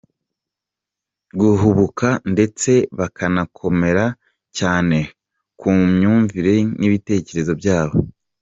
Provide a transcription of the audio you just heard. Guhubuka ndetse bakanakomera cyane ku myumvire n’ibitekerezo byabo.